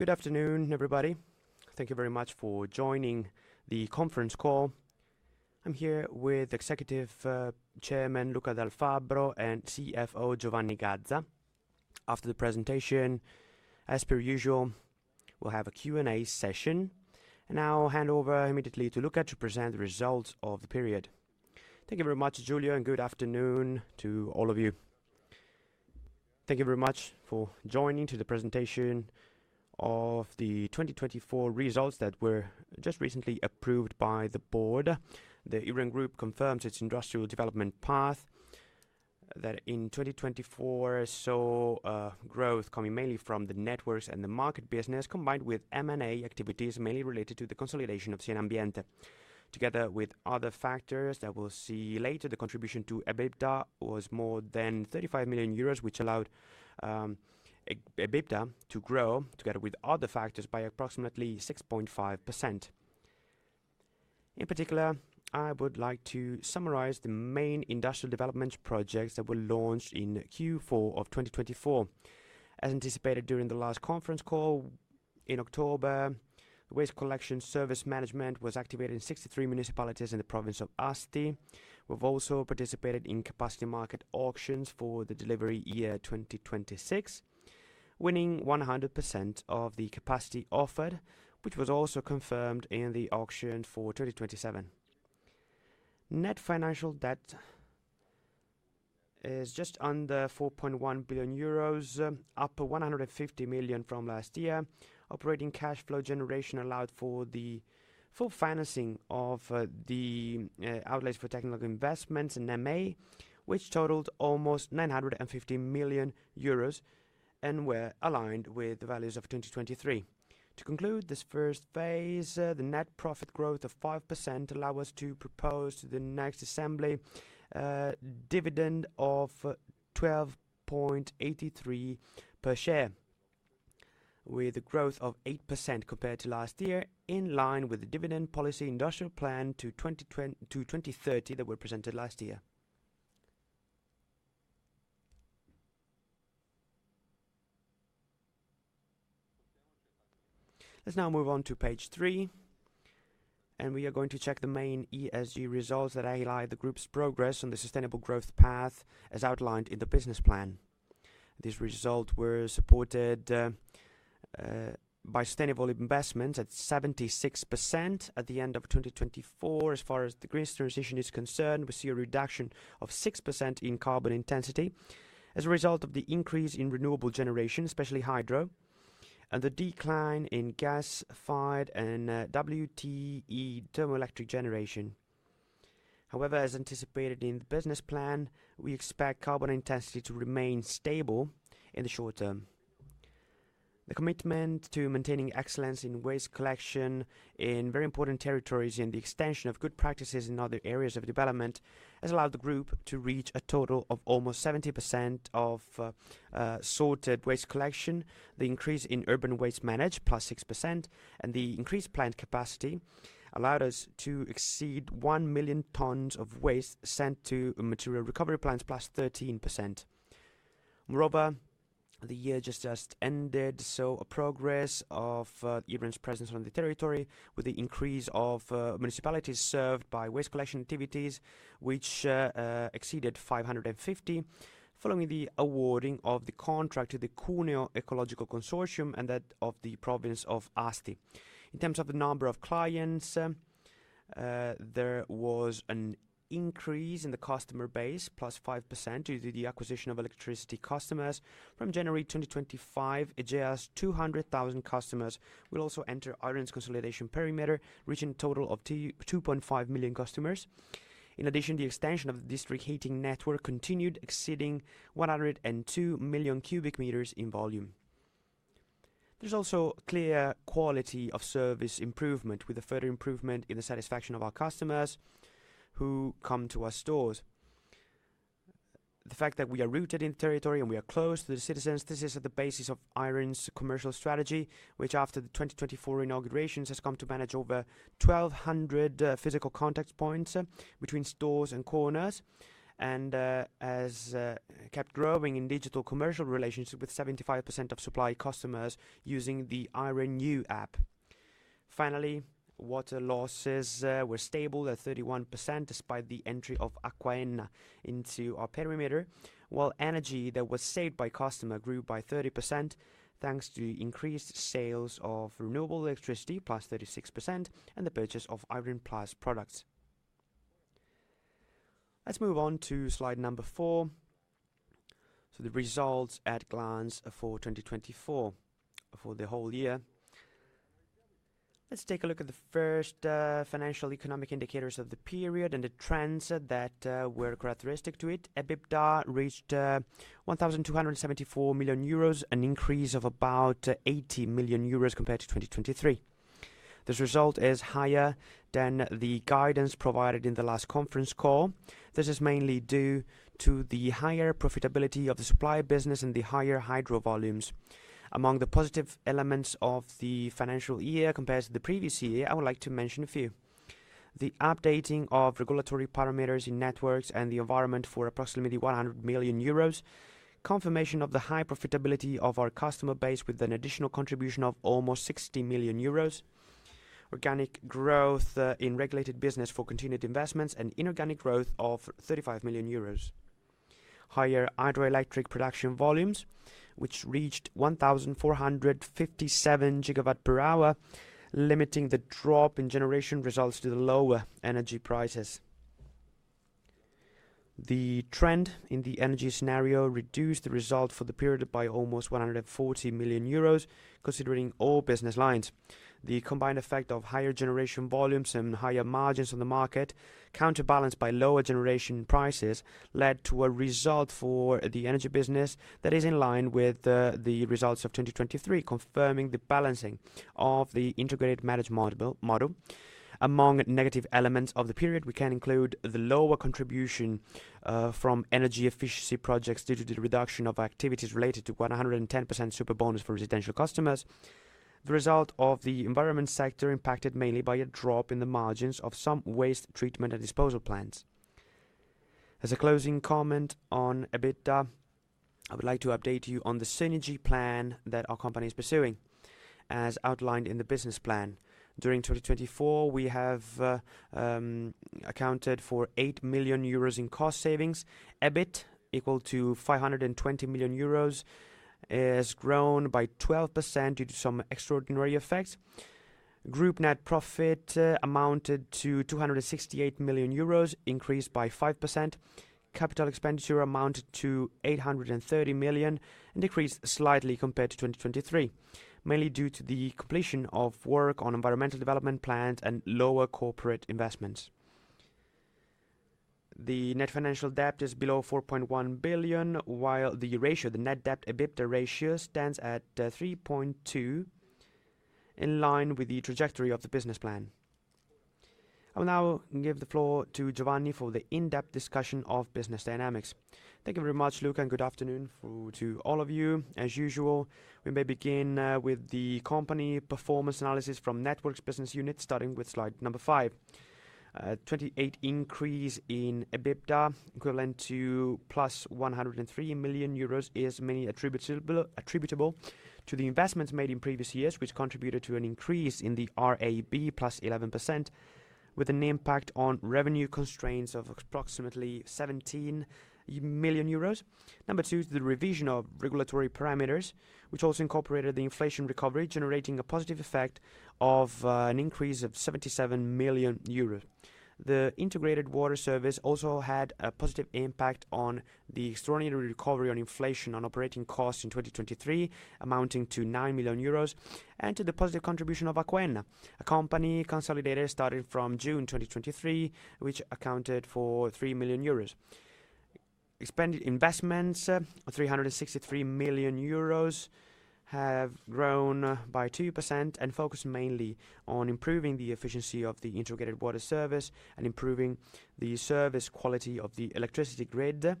Good afternoon, everybody. Thank you very much for joining the conference call. I'm here with Executive Chairman Luca Dal Fabbro and CFO Giovanni Gazza. After the presentation, as per usual, we'll have a Q&A session, and I'll hand over immediately to Luca to present the results of the period. Thank you very much, Giulio, and good afternoon to all of you. Thank you very much for joining the presentation of the 2024 results that were just recently approved by the board. The Iren Group confirms its industrial development path that in 2024 saw growth coming mainly from the networks and the market business, combined with M&A activities mainly related to the consolidation of Iren Ambiente. Together with other factors that we'll see later, the contribution to EBITDA was more than 35 million euros, which allowed EBITDA to grow together with other factors by approximately 6.5%. In particular, I would like to summarize the main industrial development projects that were launched in Q4 of 2024. As anticipated during the last conference call in October, waste collection service management was activated in 63 municipalities in the province of Asti. We've also participated in capacity market auctions for the delivery year 2026, winning 100% of the capacity offered, which was also confirmed in the auction for 2027. Net financial debt is just under 4.1 billion euros, up 150 million from last year. Operating cash flow generation allowed for the full financing of the outlays for technological investments and M&A, which totaled almost 950 million euros and were aligned with the values of 2023. To conclude this first phase, the net profit growth of 5% allows us to propose to the next assembly a dividend of 12.83 per share, with a growth of 8% compared to last year, in line with the dividend policy industrial plan to 2030 that were presented last year. Let's now move on to page three, and we are going to check the main ESG results that highlight the group's progress on the sustainable growth path as outlined in the business plan. These results were supported by sustainable investments at 76% at the end of 2024. As far as the green transition is concerned, we see a reduction of 6% in carbon intensity as a result of the increase in renewable generation, especially hydro, and the decline in gasified and WTE thermoelectric generation. However, as anticipated in the business plan, we expect carbon intensity to remain stable in the short term. The commitment to maintaining excellence in waste collection in very important territories and the extension of good practices in other areas of development has allowed the group to reach a total of almost 70% of sorted waste collection. The increase in urban waste managed, plus 6%, and the increased plant capacity allowed us to exceed 1 million tons of waste sent to material recovery plants, plus 13%. Moreover, the year just ended, saw a progress of Iren's presence on the territory with the increase of municipalities served by waste collection activities, which exceeded 550, following the awarding of the contract to the Cuneo Ecological Consortium and that of the province of Asti. In terms of the number of clients, there was an increase in the customer base, plus 5% due to the acquisition of electricity customers. From January 2025, just 200,000 customers will also enter Iren's consolidation perimeter, reaching a total of 2.5 million customers. In addition, the extension of the district heating network continued, exceeding 102 million cubic meters in volume. There is also clear quality of service improvement with the further improvement in the satisfaction of our customers who come to our stores. The fact that we are rooted in the territory and we are close to the citizens, this is at the basis of Iren's commercial strategy, which after the 2024 inaugurations has come to manage over 1,200 physical contact points between stores and corners, and has kept growing in digital commercial relationship with 75% of supply customers using the IrenYou app. Finally, water losses were stable at 31% despite the entry of AcquaEnna into our perimeter, while energy that was saved by customers grew by 30% thanks to increased sales of renewable electricity, plus 36%, and the purchase of Iren Plus products. Let's move on to slide number four. The results at glance for 2024, for the whole year. Let's take a look at the first financial economic indicators of the period and the trends that were characteristic to it. EBITDA reached 1,274 million euros, an increase of about 80 million euros compared to 2023. This result is higher than the guidance provided in the last conference call. This is mainly due to the higher profitability of the supply business and the higher hydro volumes. Among the positive elements of the financial year compared to the previous year, I would like to mention a few. The updating of regulatory parameters in networks and the environment for approximately 100 million euros, confirmation of the high profitability of our customer base with an additional contribution of almost 60 million euros, organic growth in regulated business for continued investments, and inorganic growth of 35 million euros. Higher hydroelectric production volumes, which reached 1,457 GW/hour, limiting the drop in generation results to the lower energy prices. The trend in the energy scenario reduced the result for the period by almost 140 million euros, considering all business lines. The combined effect of higher generation volumes and higher margins on the market, counterbalanced by lower generation prices, led to a result for the energy business that is in line with the results of 2023, confirming the balancing of the integrated management model. Among negative elements of the period, we can include the lower contribution from energy efficiency projects due to the reduction of activities related to 110% Superbonus for residential customers, the result of the environment sector impacted mainly by a drop in the margins of some waste treatment and disposal plants. As a closing comment on EBITDA, I would like to update you on the synergy plan that our company is pursuing. As outlined in the business plan, during 2024, we have accounted for 8 million euros in cost savings. EBIT, equal to 520 million euros, has grown by 12% due to some extraordinary effects. Group net profit amounted to 268 million euros, increased by 5%. Capital expenditure amounted to 830 million, and decreased slightly compared to 2023, mainly due to the completion of work on environmental development plans and lower corporate investments. The net financial debt is below 4.1 billion, while the ratio, the net debt EBITDA ratio, stands at 3.2, in line with the trajectory of the business plan. I will now give the floor to Giovanni for the in-depth discussion of business dynamics. Thank you very much, Luca, and good afternoon to all of you. As usual, we may begin with the company performance analysis from networks business unit, starting with slide number five. A 28% increase in EBITDA, equivalent to 103 million euros, is mainly attributable to the investments made in previous years, which contributed to an increase in the RAB plus 11%, with an impact on revenue constraints of approximately 17 million euros. Number two is the revision of regulatory parameters, which also incorporated the inflation recovery, generating a positive effect of an increase of 77 million euros. The integrated water service also had a positive impact on the extraordinary recovery on inflation on operating costs in 2023, amounting to 9 million euros, and to the positive contribution of AcquaEnna, a company consolidated starting from June 2023, which accounted for 3 million euros. Expanded investments, 363 million euros, have grown by 2% and focus mainly on improving the efficiency of the integrated water service and improving the service quality of the electricity grid,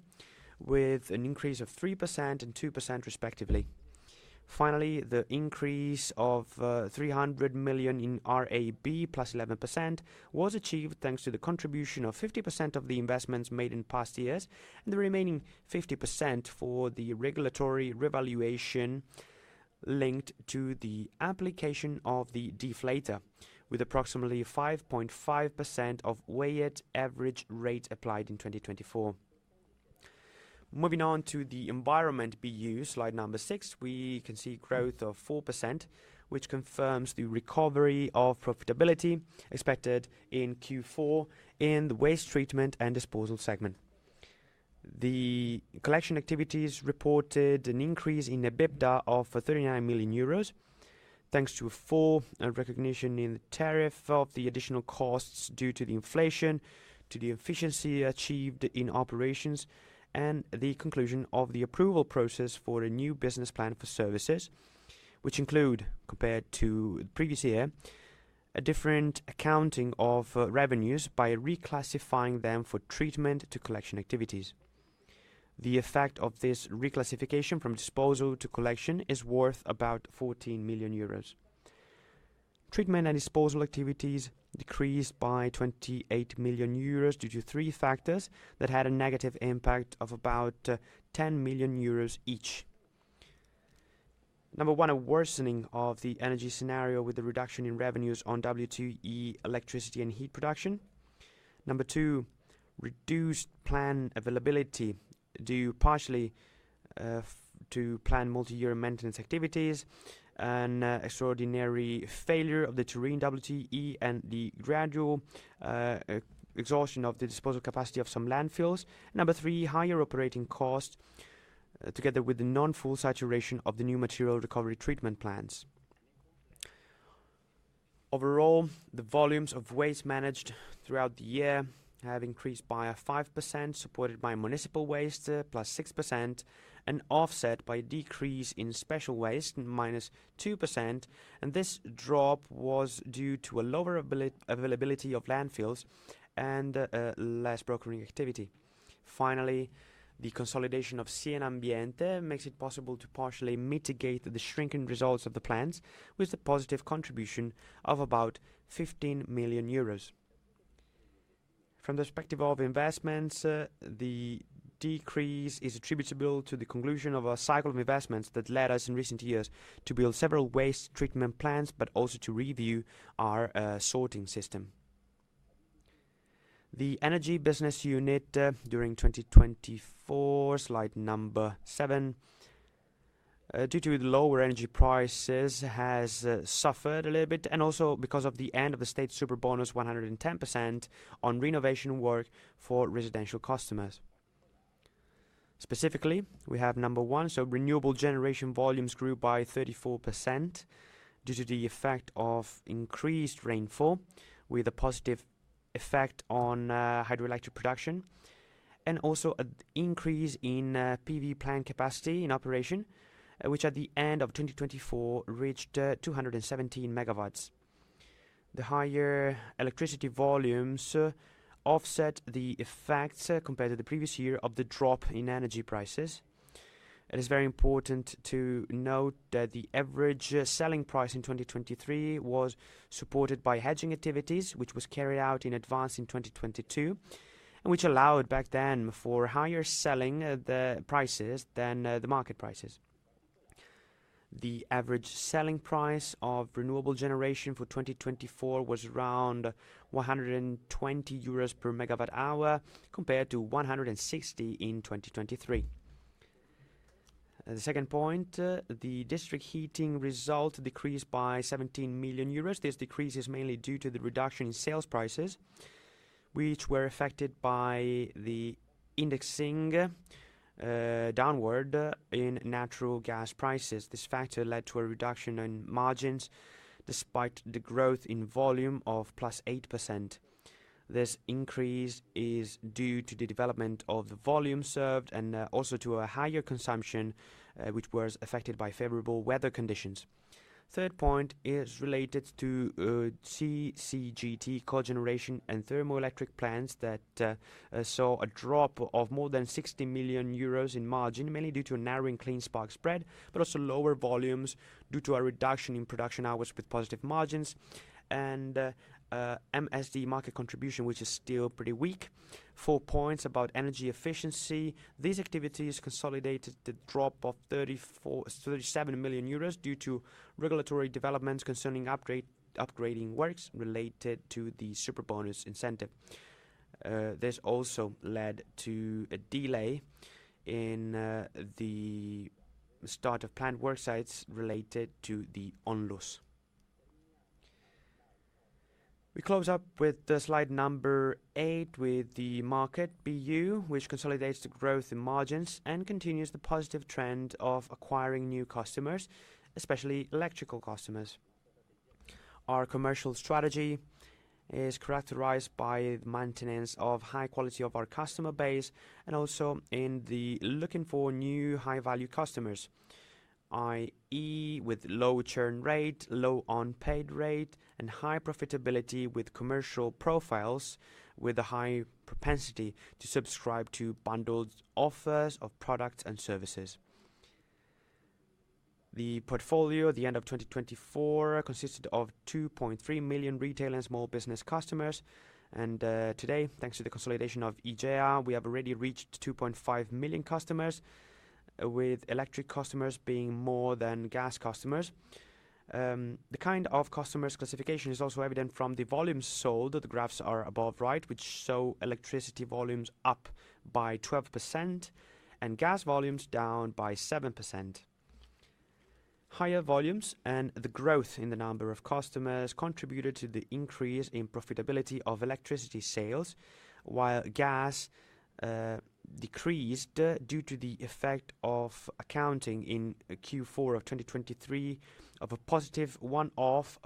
with an increase of 3% and 2%, respectively. Finally, the increase of 300 million in RAB plus 11% was achieved thanks to the contribution of 50% of the investments made in past years and the remaining 50% for the regulatory revaluation linked to the application of the deflator, with approximately 5.5% of weighted average rate applied in 2024. Moving on to the environment BU, slide number six, we can see growth of 4%, which confirms the recovery of profitability expected in Q4 in the waste treatment and disposal segment. The collection activities reported an increase in EBITDA of 39 million euros, thanks to full recognition in the tariff of the additional costs due to the inflation, to the efficiency achieved in operations, and the conclusion of the approval process for a new business plan for services, which include, compared to the previous year, a different accounting of revenues by reclassifying them for treatment to collection activities. The effect of this reclassification from disposal to collection is worth about 14 million euros. Treatment and disposal activities decreased by 28 million euros due to three factors that had a negative impact of about 10 million euros each. Number one, a worsening of the energy scenario with the reduction in revenues on WTE electricity and heat production. Number two, reduced plant availability due partially to plant multi-year maintenance activities, an extraordinary failure of the Turin WTE, and the gradual exhaustion of the disposal capacity of some landfills. Number three, higher operating costs together with the non-full saturation of the new material recovery treatment plants. Overall, the volumes of waste managed throughout the year have increased by 5%, supported by municipal waste, plus 6%, and offset by a decrease in special waste, minus 2%. This drop was due to a lower availability of landfills and less brokering activity. Finally, the consolidation of Iren Ambiente makes it possible to partially mitigate the shrinking results of the plants, with a positive contribution of about 15 million euros. From the perspective of investments, the decrease is attributable to the conclusion of a cycle of investments that led us in recent years to build several waste treatment plants, but also to review our sorting system. The energy business unit during 2024, slide number seven, due to the lower energy prices, has suffered a little bit and also because of the end of the state Superbonus, 110%, on renovation work for residential customers. Specifically, we have number one, so renewable generation volumes grew by 34% due to the effect of increased rainfall, with a positive effect on hydroelectric production, and also an increase in PV plant capacity in operation, which at the end of 2024 reached 217 MW. The higher electricity volumes offset the effects compared to the previous year of the drop in energy prices. It is very important to note that the average selling price in 2023 was supported by hedging activities, which was carried out in advance in 2022, and which allowed back then for higher selling prices than the market prices. The average selling price of renewable generation for 2024 was around 120 euros per MW/hour, compared to 160 in 2023. The second point, the district heating result decreased by 17 million euros. This decrease is mainly due to the reduction in sales prices, which were affected by the indexing downward in natural gas prices. This factor led to a reduction in margins despite the growth in volume of plus 8%. This increase is due to the development of the volume served and also to a higher consumption, which was affected by favorable weather conditions. Third point is related to CCGT, cogeneration and thermoelectric plants that saw a drop of more than 60 million euros in margin, mainly due to a narrowing clean spark spread, but also lower volumes due to a reduction in production hours with positive margins and MSD market contribution, which is still pretty weak. Four points about energy efficiency. These activities consolidated the drop of 37 million euros due to regulatory developments concerning upgrading works related to the Superbonus incentive. This also led to a delay in the start of plant worksites related to the ONLUS. We close up with slide number eight with the market BU, which consolidates the growth in margins and continues the positive trend of acquiring new customers, especially electrical customers. Our commercial strategy is characterized by the maintenance of high quality of our customer base and also in the looking for new high-value customers, i.e., with low churn rate, low unpaid rate, and high profitability with commercial profiles, with a high propensity to subscribe to bundled offers of products and services. The portfolio at the end of 2024 consisted of 2.3 million retail and small business customers. Today, thanks to the consolidation of EGEA, we have already reached 2.5 million customers, with electric customers being more than gas customers. The kind of customers classification is also evident from the volumes sold. The graphs are above right, which show electricity volumes up by 12% and gas volumes down by 7%. Higher volumes and the growth in the number of customers contributed to the increase in profitability of electricity sales, while gas decreased due to the effect of accounting in Q4 of 2023 of a positive one-off,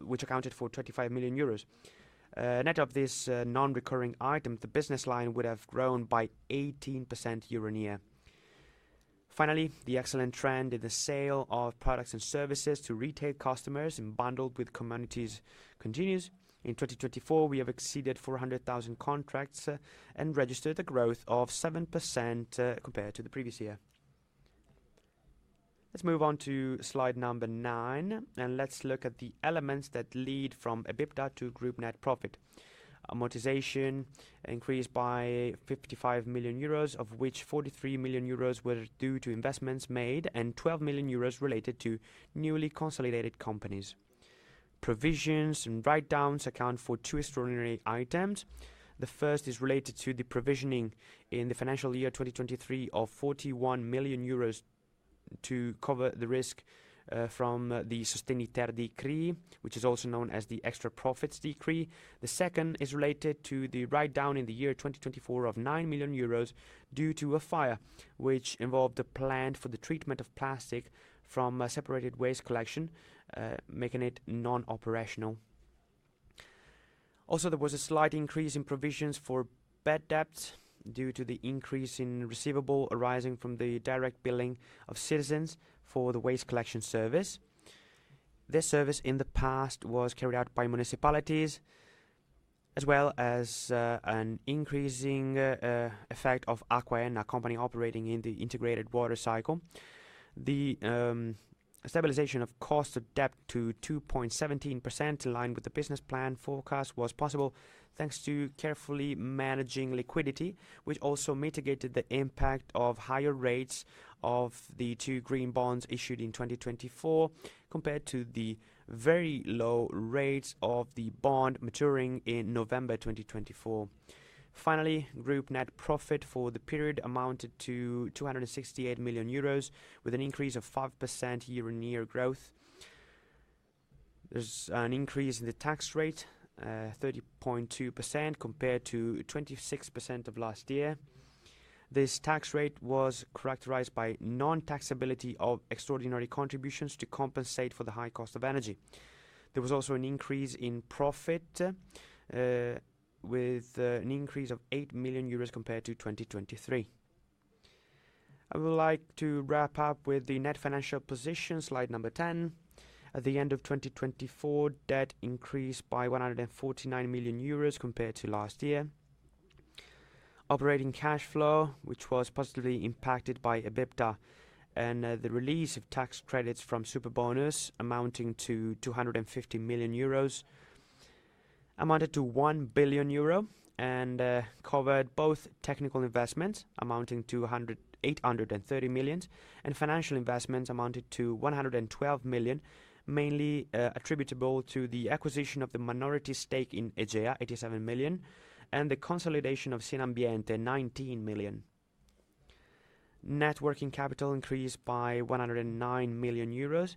which accounted for 25 million euros. Net of this non-recurring item, the business line would have grown by 18% year on year. Finally, the excellent trend in the sale of products and services to retail customers and bundled with communities continues. In 2024, we have exceeded 400,000 contracts and registered a growth of 7% compared to the previous year. Let's move on to slide number nine, and let's look at the elements that lead from EBITDA to group net profit. Amortization increased by 55 million euros, of which 43 million euros were due to investments made and 12 million euros related to newly consolidated companies. Provisions and write-downs account for two extraordinary items. The first is related to the provisioning in the financial year 2023 of 41 million euros to cover the risk from the Sostegni Ter Decree, which is also known as the extra profits decree. The second is related to the write-down in the year 2024 of 9 million euros due to a fire, which involved a plant for the treatment of plastic from separated waste collection, making it non-operational. Also, there was a slight increase in provisions for bad debts due to the increase in receivables arising from the direct billing of citizens for the waste collection service. This service in the past was carried out by municipalities, as well as an increasing effect of AcquaEnna, a company operating in the integrated water cycle. The stabilization of costs adapted to 2.17%, aligned with the business plan forecast, was possible thanks to carefully managing liquidity, which also mitigated the impact of higher rates of the two green bonds issued in 2024 compared to the very low rates of the bond maturing in November 2024. Finally, group net profit for the period amounted to 268 million euros, with an increase of 5% year on year growth. There's an increase in the tax rate, 30.2%, compared to 26% of last year. This tax rate was characterized by non-taxability of extraordinary contributions to compensate for the high cost of energy. There was also an increase in profit with an increase of 8 million euros compared to 2023. I would like to wrap up with the net financial position, slide number 10. At the end of 2024, debt increased by 149 million euros compared to last year. Operating cash flow, which was positively impacted by EBITDA and the release of tax credits from Superbonus amounting to 250 million euros, amounted to 1 billion euro and covered both technical investments amounting to 830 million and financial investments amounted to 112 million, mainly attributable to the acquisition of the minority stake in EGEA, 87 million, and the consolidation of Iren Ambiente, 19 million. Net working capital increased by 109 million euros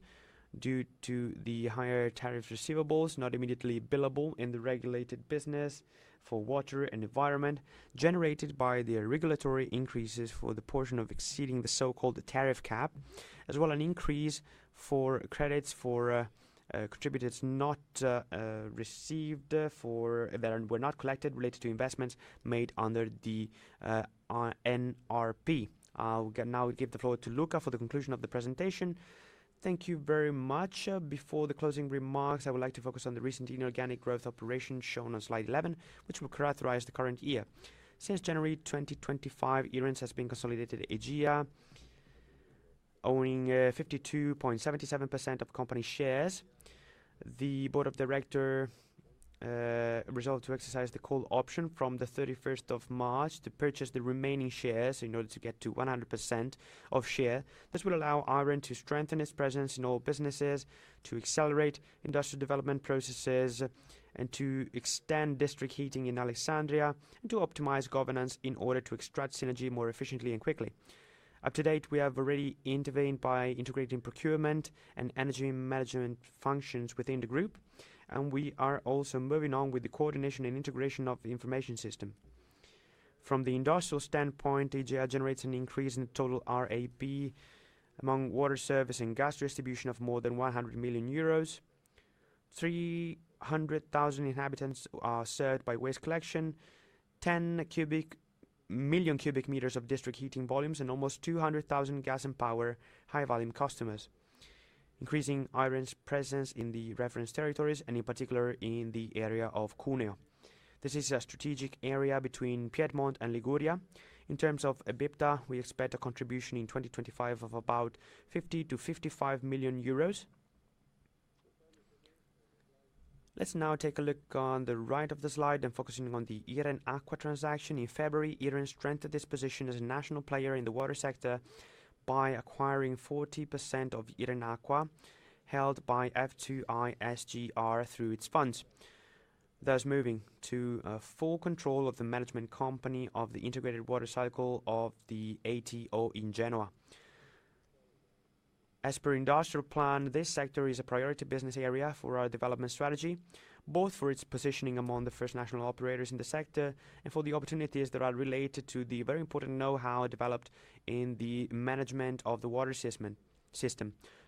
due to the higher tariff receivables, not immediately billable in the regulated business for water and environment, generated by the regulatory increases for the portion of exceeding the so-called tariff cap, as well as an increase for credits for contributors not received that were not collected related to investments made under the NRRP. I will now give the floor to Luca for the conclusion of the presentation. Thank you very much. Before the closing remarks, I would like to focus on the recent inorganic growth operation shown on slide 11, which will characterize the current year. Since January 2025, Iren has been consolidated EGEA, owning 52.77% of company shares. The board of directors resolved to exercise the call option from the 31st of March to purchase the remaining shares in order to get to 100% of share. This will allow Iren to strengthen its presence in all businesses, to accelerate industrial development processes, and to extend district heating in Alessandria and to optimize governance in order to extract synergy more efficiently and quickly. Up to date, we have already intervened by integrating procurement and energy management functions within the group, and we are also moving on with the coordination and integration of the information system. From the industrial standpoint, EGEA generates an increase in the total RAB among water service and gas distribution of more than 100 million euros. 300,000 inhabitants are served by waste collection, 10 million cubic meters of district heating volumes, and almost 200,000 gas and power high-volume customers, increasing Iren's presence in the reference territories, and in particular in the area of Cuneo. This is a strategic area between Piedmont and Liguria. In terms of EBITDA, we expect a contribution in 2025 of about 50-55 million euros. Let's now take a look on the right of the slide and focus on the Iren Acqua transaction. In February, Iren strengthened its position as a national player in the water sector by acquiring 40% of Iren Acqua, held by F2i SGR through its funds. Thus moving to full control of the management company of the integrated water cycle of the ATO in Genoa. As per industrial plan, this sector is a priority business area for our development strategy, both for its positioning among the first national operators in the sector and for the opportunities that are related to the very important know-how developed in the management of the water system.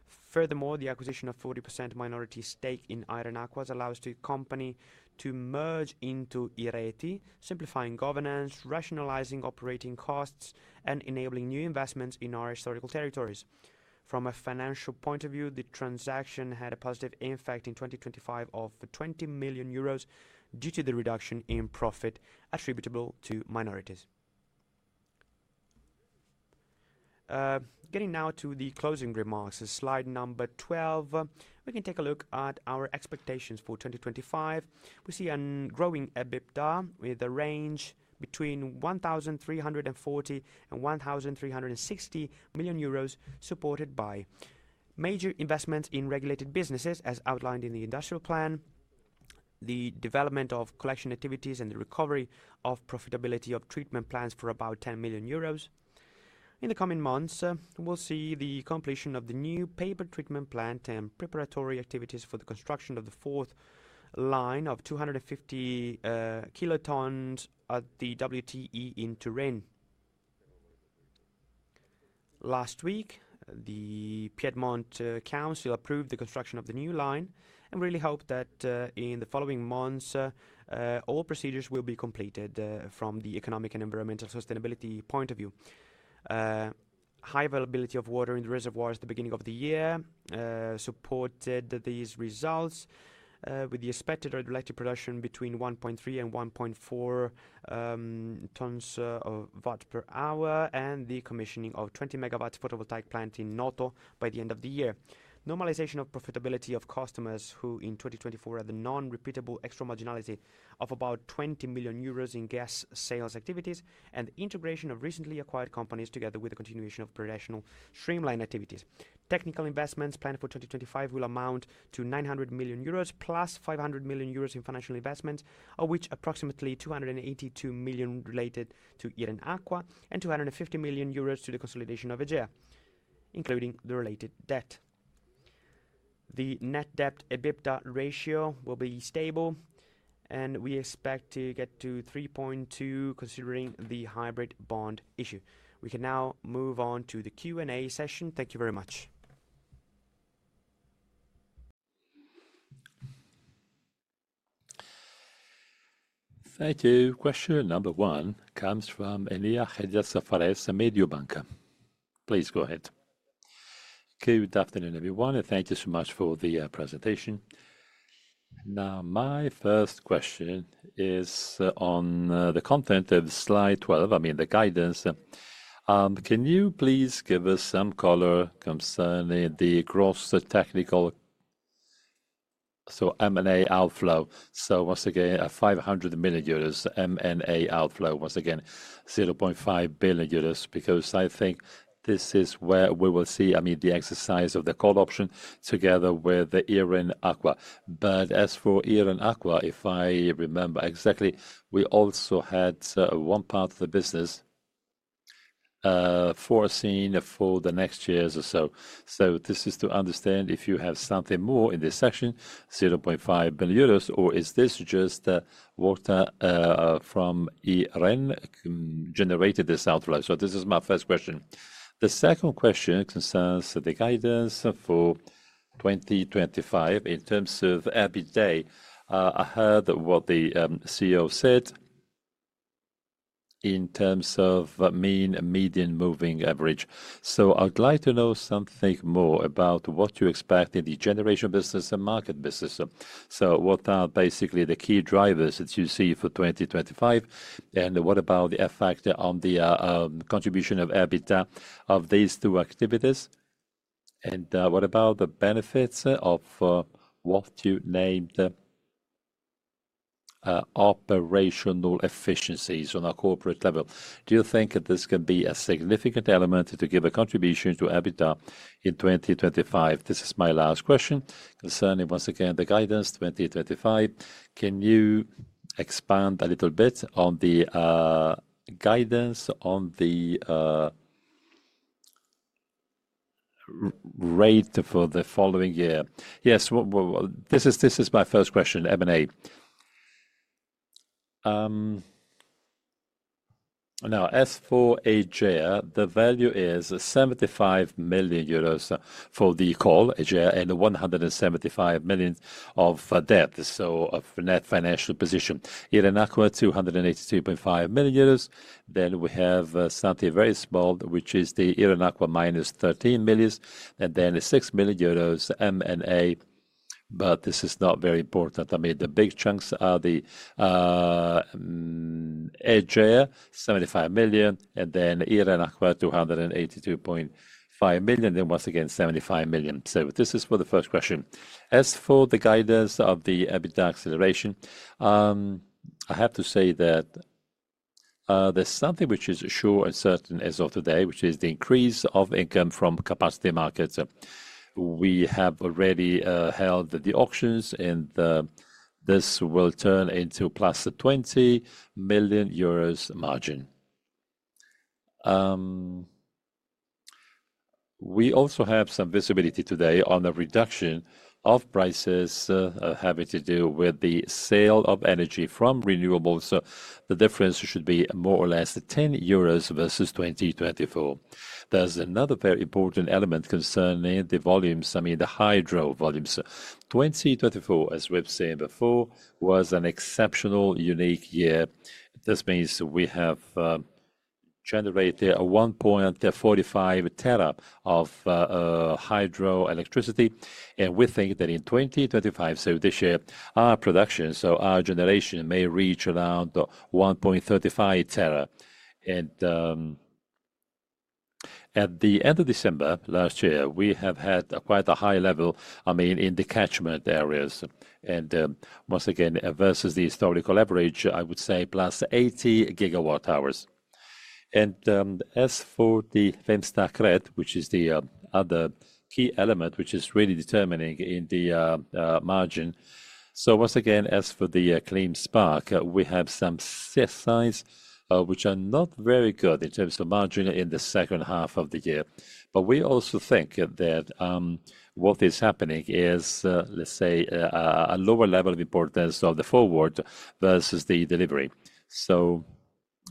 Furthermore, the acquisition of 40% minority stake in Iren Acqua has allowed the company to merge into Ireti, simplifying governance, rationalizing operating costs, and enabling new investments in our historical territories. From a financial point of view, the transaction had a positive impact in 2025 of 20 million euros due to the reduction in profit attributable to minorities. Getting now to the closing remarks, slide number 12, we can take a look at our expectations for 2025. We see a growing EBITDA with a range between 1,340 million and 1,360 million euros supported by major investments in regulated businesses, as outlined in the industrial plan, the development of collection activities, and the recovery of profitability of treatment plants for about 10 million euros. In the coming months, we'll see the completion of the new paper treatment plant and preparatory activities for the construction of the fourth line of 250 kilotons at the WTE in Turin. Last week, the Piedmont Council approved the construction of the new line, and we really hope that in the following months all procedures will be completed from the economic and environmental sustainability point of view. High availability of water in the reservoirs at the beginning of the year supported these results with the expected electric production between 1.3 and 1.4 terawatt hours and the commissioning of a 20 MW photovoltaic plant in Noto by the end of the year. Normalization of profitability of customers who in 2024 had the non-repeatable extra marginality of about 20 million euros in gas sales activities and the integration of recently acquired companies together with the continuation of operational streamline activities. Technical investments planned for 2025 will amount to 900 million euros plus 500 million euros in financial investments, of which approximately 282 million related to Iren Acqua and 250 million euros to the consolidation of EGEA, including the related debt. The net debt EBITDA ratio will be stable, and we expect to get to 3.2 considering the hybrid bond issue. We can now move on to the Q&A session. Thank you very much. Thank `you. Question number one comes from Javier Suárez, Mediobanca. Please go ahead. Good afternoon, everyone, and thank you so much for the presentation. Now, my first question is on the content of Slide 12, I mean the guidance. Can you please give us some color concerning the gross technical M&A outflow? Once again, 500 million euros M&A outflow, once again, 0.5 billion euros, because I think this is where we will see, I mean the exercise of the call option together with Iren Acqua. As for Iren Acqua, if I remember exactly, we also had one part of the business foreseen for the next years or so. This is to understand if you have something more in this section, 0.5 billion euros, or is this just water from Iren generated this outflow? This is my first question. The second question concerns the guidance for 2025 in terms of EBITDA. I heard what the CEO said in terms of mean median moving average. I would like to know something more about what you expect in the generation business and market business. What are basically the key drivers that you see for 2025? What about the effect on the contribution of EBITDA of these two activities? What about the benefits of what you named operational efficiencies on a corporate level? Do you think that this can be a significant element to give a contribution to EBITDA in 2025? This is my last question concerning, once again, the guidance 2025. Can you expand a little bit on the guidance on the rate for the following year? This is my first question, M&A. Now, as for EGEA, the value is 75 million euros for the call, EGEA, and 175 million of debt, so of net financial position. Iren Acqua, 282.5 million euros. Then we have something very small, which is the Iren Acqua, minus 13 million, and then 6 million euros M&A. But this is not very important. I mean, the big chunks are the EGEA, 75 million, and then Iren Acqua, 282.5 million, then once again, 75 million. This is for the first question. As for the guidance of the EBITDA acceleration, I have to say that there's something which is sure and certain as of today, which is the increase of income from capacity markets. We have already held the auctions, and this will turn into 20 million euros margin. We also have some visibility today on the reduction of prices having to do with the sale of energy from renewables. The difference should be more or less 10 million euros versus 2024. There's another very important element concerning the volumes, I mean the hydro volumes. 2024, as we've seen before, was an exceptional unique year. This means we have generated 1.45 tera of hydro electricity, and we think that in 2025, so this year, our production, so our generation, may reach around 1.35 tera. At the end of December last year, we have had quite a high level, I mean in the catchment areas, and once again, versus the historical average, I would say plus 80 GW/hour. As for the clean spark spread, which is the other key element which is really determining in the margin. As for the Clean Spark, we have some size which are not very good in terms of margin in the second half of the year. We also think that what is happening is, let's say, a lower level of importance of the forward versus the delivery.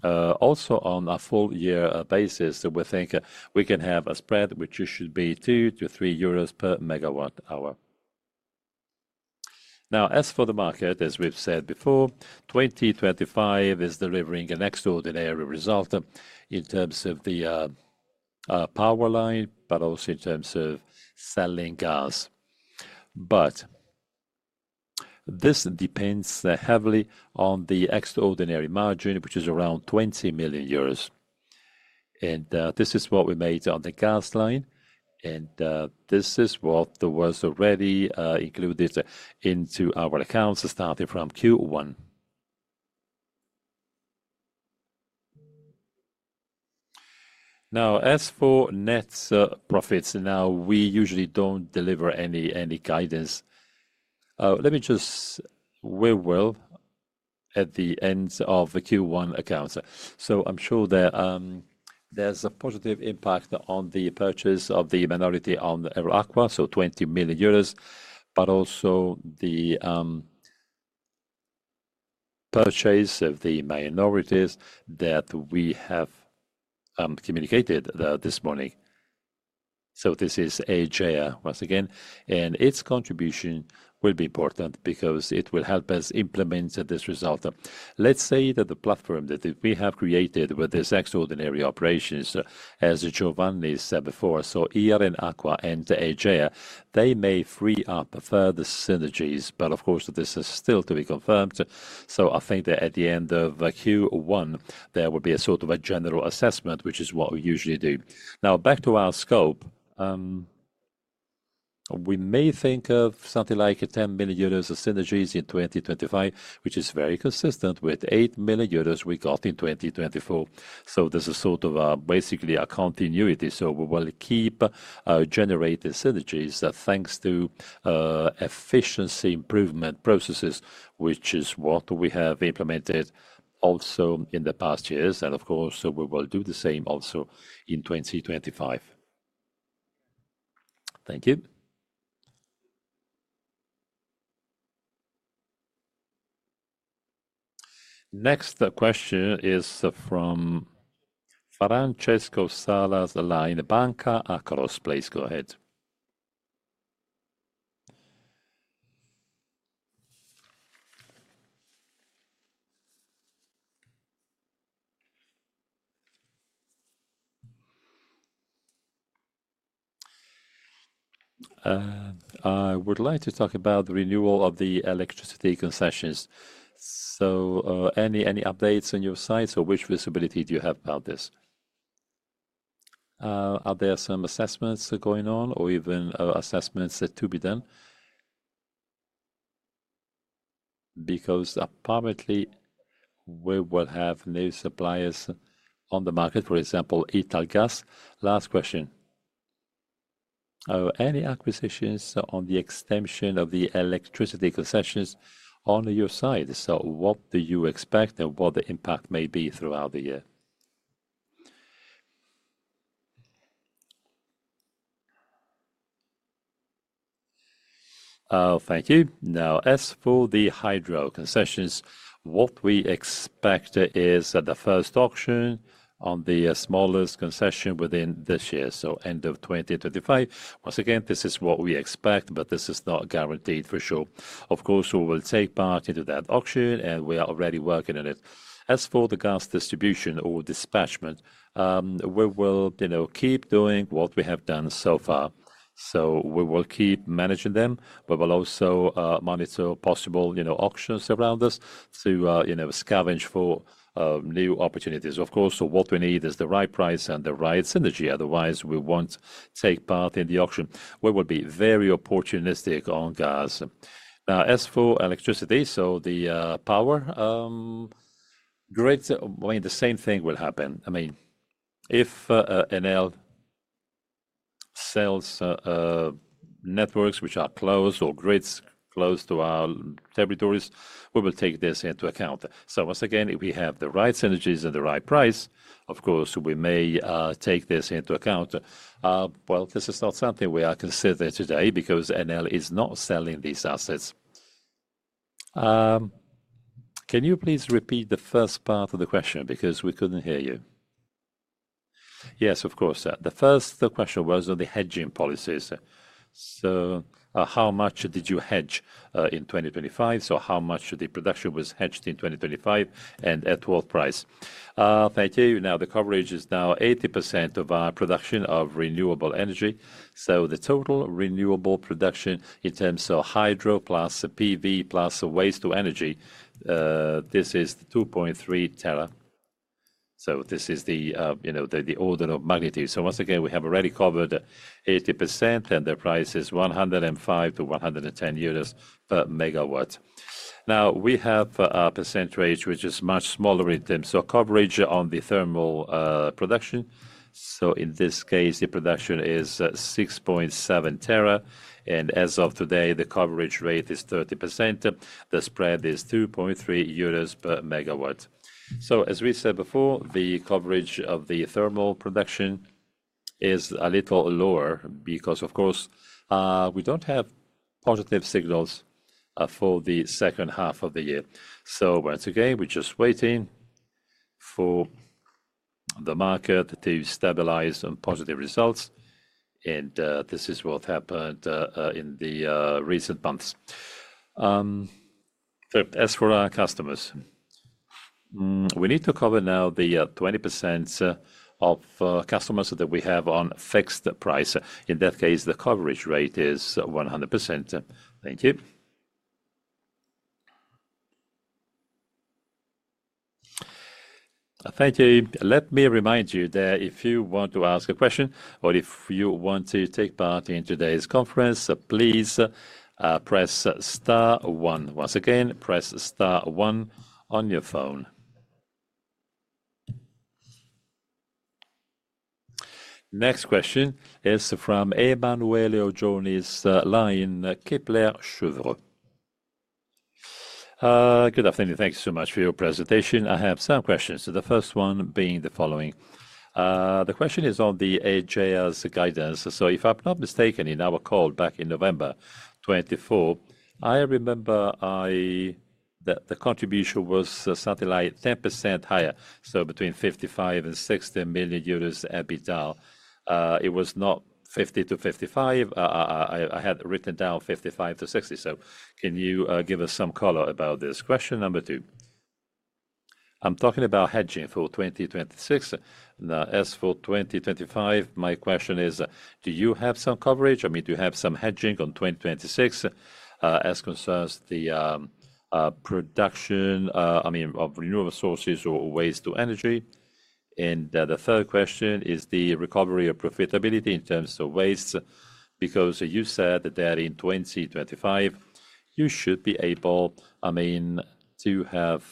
Also, on a full year basis, we think we can have a spread which should be 2-3 euros per megawatt hour. Now, as for the market, as we have said before, 2025 is delivering an extraordinary result in terms of the power line, but also in terms of selling gas. This depends heavily on the extraordinary margin, which is around 20 million euros. This is what we made on the gas line, and this is what was already included into our accounts starting from Q1. Now, as for net profits, we usually do not deliver any guidance. Let me just weigh well at the end of the Q1 accounts. I'm sure that there's a positive impact on the purchase of the minority on Aqua, so 20 million euros, but also the purchase of the minorities that we have communicated this morning. This is EGEA once again, and its contribution will be important because it will help us implement this result. Let's say that the platform that we have created with these extraordinary operations, as Giovanni said before, Iren Acqua and EGEA, they may free up further synergies, but of course, this is still to be confirmed. I think that at the end of Q1, there will be a sort of a general assessment, which is what we usually do. Now, back to our scope, we may think of something like 10 million euros of synergies in 2025, which is very consistent with 8 million euros we got in 2024. This is basically a continuity. We will keep generating synergies thanks to efficiency improvement processes, which is what we have implemented also in the past years. Of course, we will do the same also in 2025. Thank you. Next question is from Francesco Sala from Banca Akros. Please go ahead. I would like to talk about the renewal of the electricity concessions. Any updates on your side? Which visibility do you have about this? Are there some assessments going on or even assessments to be done? Apparently we will have new suppliers on the market, for example, Italgas. Last question. Any acquisitions on the extension of the electricity concessions on your side? What do you expect and what the impact may be throughout the year? Thank you. Now, as for the hydro concessions, what we expect is the first auction on the smallest concession within this year, so end of 2025. Once again, this is what we expect, but this is not guaranteed for sure. Of course, we will take part into that auction, and we are already working on it. As for the gas distribution or dispatchment, we will keep doing what we have done so far. We will keep managing them, but we'll also monitor possible auctions around us to scavenge for new opportunities. Of course, what we need is the right price and the right synergy. Otherwise, we won't take part in the auction. We will be very opportunistic on gas. Now, as for electricity, so the power grid, I mean the same thing will happen. I mean, if Enel sells networks which are close or grids close to our territories, we will take this into account. Once again, if we have the right synergies and the right price, of course, we may take this into account. This is not something we are considering today because Enel is not selling these assets. Can you please repeat the first part of the question because we could not hear you? Yes, of course. The first question was on the hedging policies. How much did you hedge in 2025? How much of the production was hedged in 2025 and at what price? Thank you. The coverage is now 80% of our production of renewable energy. The total renewable production in terms of hydro plus PV plus waste to energy, this is 2.3 tera. This is the order of magnitude. Once again, we have already covered 80%, and the price is 105-110 euros per megawatt. Now, we have a % rate which is much smaller in terms of coverage on the thermal production. In this case, the production is 6.7 tera, and as of today, the coverage rate is 30%. The spread is 2.3 euros per MW. As we said before, the coverage of the thermal production is a little lower because, of course, we do not have positive signals for the second half of the year. Once again, we are just waiting for the market to stabilize on positive results, and this is what happened in the recent months. As for our customers, we need to cover now the 20% of customers that we have on fixed price. In that case, the coverage rate is 100%. Thank you. Thank you. Let me remind you that if you want to ask a question or if you want to take part in today's conference, please press star one. Once again, press star one on your phone. Next question is from Emanuele Oggioni, Kepler Cheuvreux. Good afternoon. Thank you so much for your presentation. I have some questions, the first one being the following. The question is on the EGEA's guidance. If I'm not mistaken, in our call back in November 2024, I remember that the contribution was something like 10% higher, so between 55 million and 60 million euros EBITDA. It was not 50 million-55 million. I had written down 55 million-60 million. Can you give us some color about this? Question number two. I'm talking about hedging for 2026. As for 2025, my question is, do you have some coverage? I mean, do you have some hedging on 2026 as concerns the production, I mean, of renewable sources or waste to energy? The third question is the recovery of profitability in terms of waste, because you said that in 2025, you should be able, I mean, to have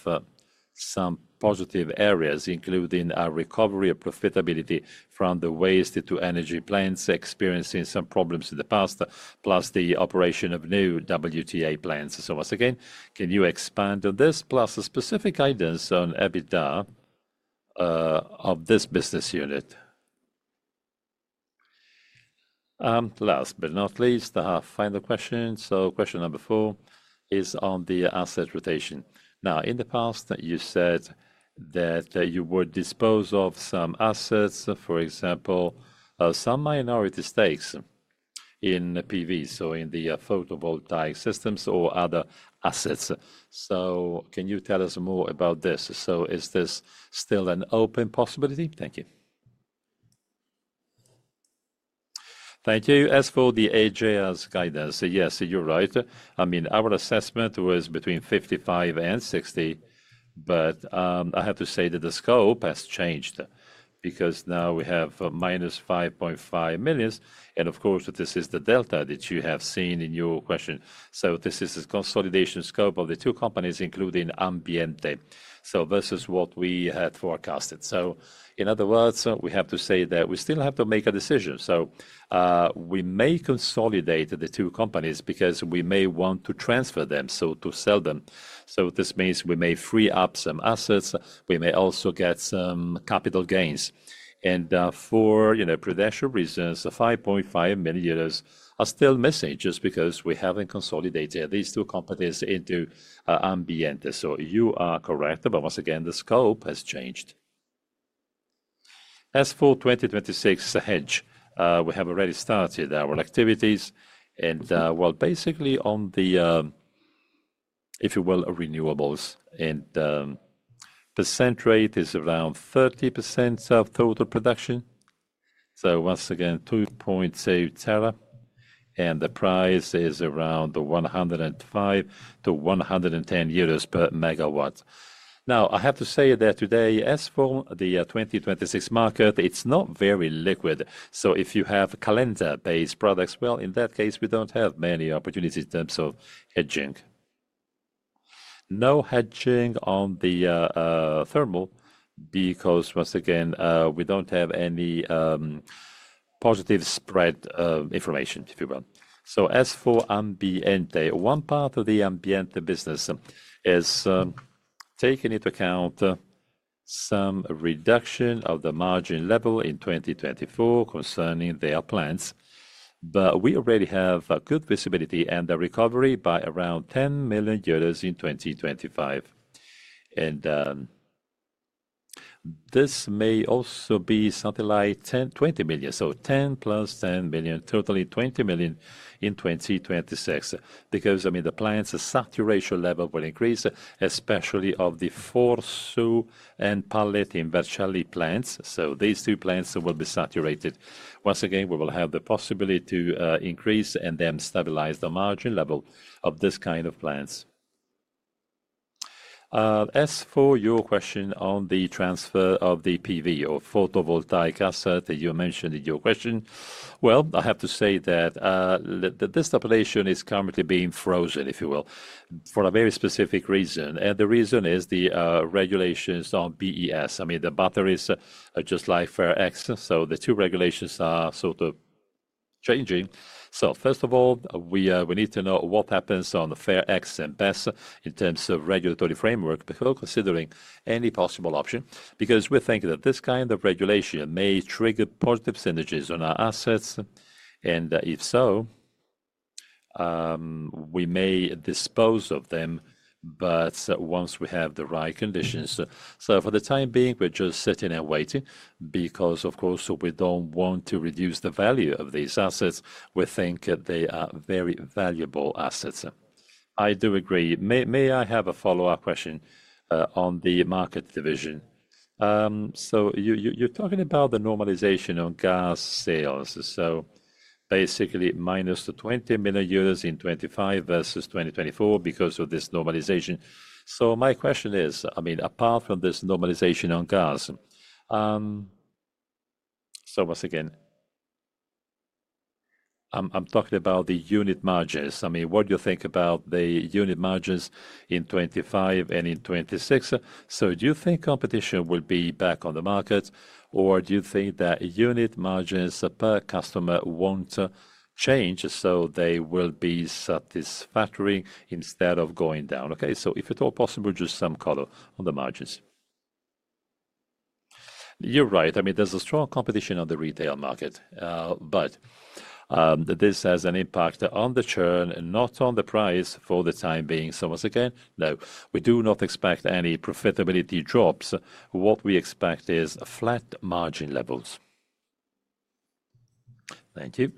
some positive areas, including a recovery of profitability from the waste to energy plants experiencing some problems in the past, plus the operation of new WTE plants. Once again, can you expand on this? Plus the specific guidance on EBITDA of this business unit. Last but not least, our final question. Question number four is on the asset rotation. In the past, you said that you would dispose of some assets, for example, some minority stakes in PV, so in the photovoltaic systems or other assets. Can you tell us more about this? Is this still an open possibility? Thank you. Thank you. As for the EGEA's guidance, yes, you're right. I mean, our assessment was between 55 million and 60 million, but I have to say that the scope has changed because now we have minus 5.5 million. This is the delta that you have seen in your question. This is the consolidation scope of the two companies, including Iren Ambiente, versus what we had forecasted. In other words, we have to say that we still have to make a decision. We may consolidate the two companies because we may want to transfer them, to sell them. This means we may free up some assets. We may also get some capital gains. For prudential reasons, 5.5 million are still missing just because we haven't consolidated these two companies into Iren Ambiente. You are correct, but once again, the scope has changed. As for the 2026 hedge, we have already started our activities. Basically, on the renewables, the % rate is around 30% of total production. Once again, 2.8 tera, and the price is around 105-110 euros per MW. I have to say that today, as for the 2026 market, it is not very liquid. If you have calendar-based products, in that case, we do not have many opportunities in terms of hedging. No hedging on the thermal because once again, we do not have any positive spread information. As for Ambiente, one part of the Ambiente business is taking into account some reduction of the margin level in 2024 concerning their plants, but we already have good visibility and recovery by around 10 million euros in 2025. This may also be something like 20 million, so 10+ 10 million, totally 20 million in 2026 because, I mean, the plant's saturation level will increase, especially of the FORSU and Pallet in Vercelli plants. These two plants will be saturated. Once again, we will have the possibility to increase and then stabilize the margin level of this kind of plants. As for your question on the transfer of the PV or photovoltaic asset that you mentioned in your question, I have to say that this population is currently being frozen, if you will, for a very specific reason. The reason is the regulations on BESS. I mean, the batteries are just like FER-X, so the two regulations are sort of changing. First of all, we need to know what happens on FER-X and BESS in terms of regulatory framework before considering any possible option because we think that this kind of regulation may trigger positive synergies on our assets. If so, we may dispose of them, but once we have the right conditions. For the time being, we're just sitting and waiting because, of course, we don't want to reduce the value of these assets. We think they are very valuable assets. I do agree. May I have a follow-up question on the market division? You're talking about the normalization on gas sales, so basically minus 20 million euros in 2025 versus 2024 because of this normalization. My question is, I mean, apart from this normalization on gas, once again, I'm talking about the unit margins. I mean, what do you think about the unit margins in 2025 and in 2026? Do you think competition will be back on the market, or do you think that unit margins per customer will not change so they will be satisfactory instead of going down? Okay, if at all possible, just some color on the margins. You're right. I mean, there is strong competition on the retail market, but this has an impact on the churn, not on the price for the time being. Once again, no, we do not expect any profitability drops. What we expect is flat margin levels. Thank you.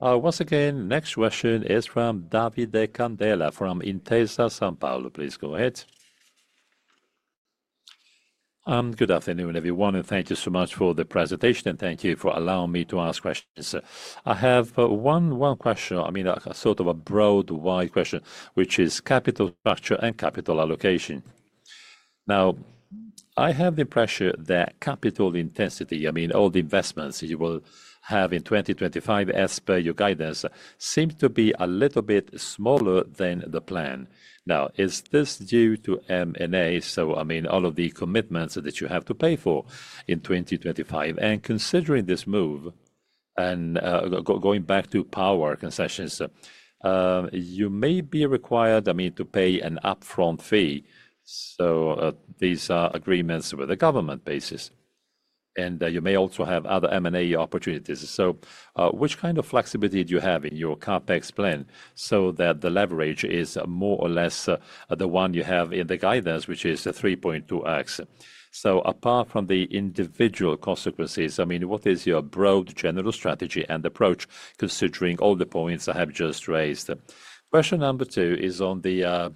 Once again, next question is from Davide Candela from Intesa Sanpaolo. Please go ahead. Good afternoon, everyone, and thank you so much for the presentation, and thank you for allowing me to ask questions. I have one question, I mean, a sort of a broad wide question, which is capital structure and capital allocation. Now, I have the impression that capital intensity, I mean, all the investments you will have in 2025 as per your guidance, seem to be a little bit smaller than the plan. Now, is this due to M&A? I mean, all of the commitments that you have to pay for in 2025? Considering this move and going back to power concessions, you may be required, I mean, to pay an upfront fee. These are agreements with the government basis. You may also have other M&A opportunities. Which kind of flexibility do you have in your CapEx plan so that the leverage is more or less the one you have in the guidance, which is 3.2x? Apart from the individual consequences, I mean, what is your broad general strategy and approach considering all the points I have just raised? Question number two is on the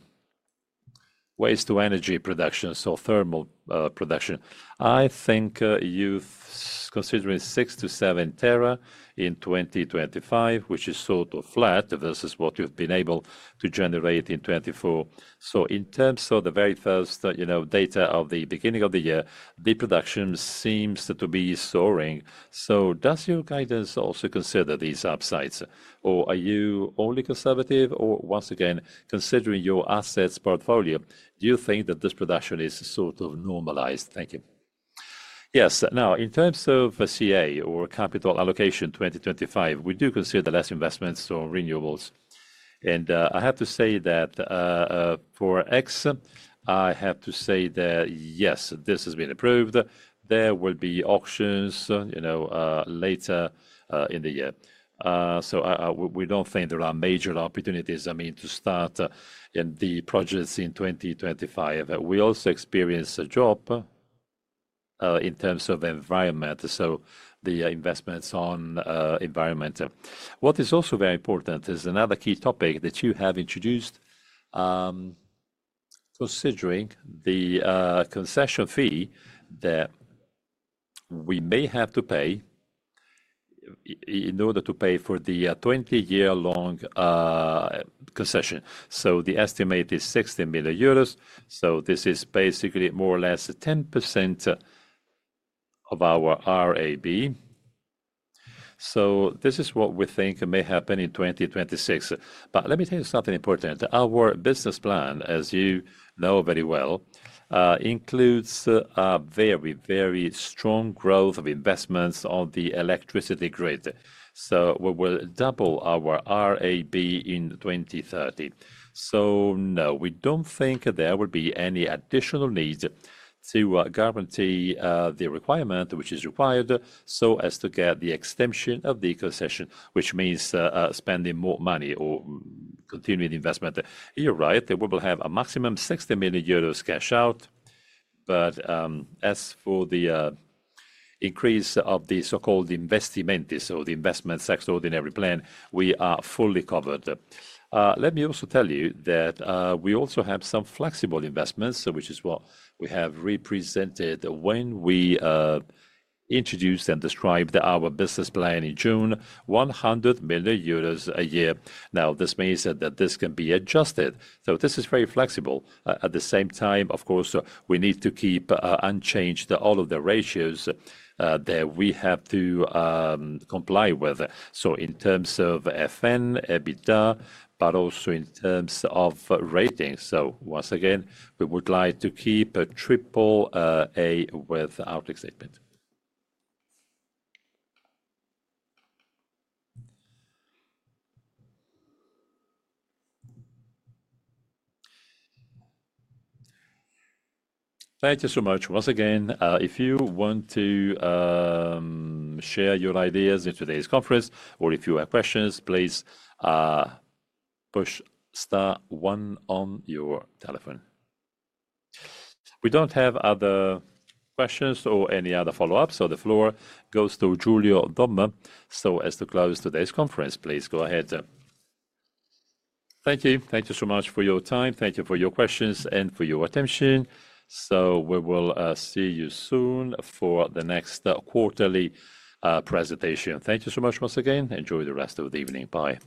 waste-to-energy production, so thermal production. I think you've considered 6-7 tera in 2025, which is sort of flat versus what you've been able to generate in 2024. In terms of the very first data of the beginning of the year, the production seems to be soaring. Does your guidance also consider these upsides, or are you only conservative? Once again, considering your assets portfolio, do you think that this production is sort of normalized? Thank you. Yes. In terms of CA or capital allocation 2025, we do consider the less investments or renewables. I have to say that FER-X, I have to say that yes, this has been approved. There will be auctions later in the year. We don't think there are major opportunities, I mean, to start in the projects in 2025. We also experience a drop in terms of environment, so the investments on environment. What is also very important is another key topic that you have introduced. Considering the concession fee that we may have to pay in order to pay for the 20-year-long concession. The estimate is 60 million euros. This is basically more or less 10% of our RAB. This is what we think may happen in 2026. Let me tell you something important. Our business plan, as you know very well, includes a very, very strong growth of investments on the electricity grid. We will double our RAB in 2030. No, we don't think there will be any additional need to guarantee the requirement which is required so as to get the extension of the concession, which means spending more money or continuing investment. You're right. We will have a maximum 60 million euros cash out. As for the increase of the so-called investimenti, so the investment extraordinary plan, we are fully covered. Let me also tell you that we also have some flexible investments, which is what we have represented when we introduced and described our business plan in June, 100 million euros a year. This means that this can be adjusted. This is very flexible. At the same time, of course, we need to keep unchanged all of the ratios that we have to comply with. In terms of FN, EBITDA, but also in terms of rating. Once again, we would like to keep triple A with our statement. Thank you so much. Once again, if you want to share your ideas in today's conference or if you have questions, please push star one on your telephone. We do not have other questions or any other follow-up, so the floor goes to Giulio Domma. As to close today's conference, please go ahead. Thank you. Thank you so much for your time. Thank you for your questions and for your attention. We will see you soon for the next quarterly presentation. Thank you so much once again. Enjoy the rest of the evening. Bye.